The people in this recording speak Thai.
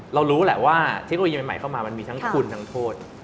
รู้แหละว่าเทคโนโลยีใหม่เข้ามามันมีทั้งคุณทั้งโทษ